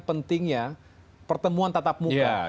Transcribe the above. pentingnya pertemuan tatap muka